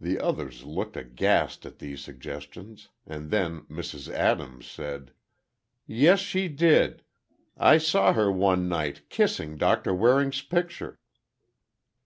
The others looked aghast at these suggestions, and then Mrs. Adams said, "Yes, she did! I saw her one night, kissing Doctor Waring's picture."